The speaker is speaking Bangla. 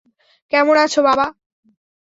কেমন আছো, বাবা?